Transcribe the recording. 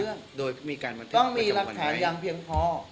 แต่เจ้าตัวก็ไม่ได้รับในส่วนนั้นหรอกนะครับ